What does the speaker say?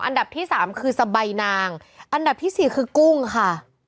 อันดับที่สามคือสบายนางอันดับที่สี่คือกุ้งค่ะ